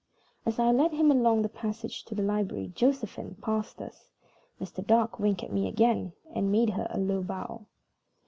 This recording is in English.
As I led him along the passage to the library Josephine passed us. Mr. Dark winked at me again, and made her a low bow.